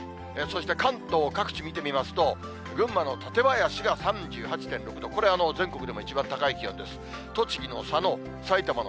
そして関東各地見てみますと、群馬の舘林が３８．６度、これ、全国でも一番高い気温です。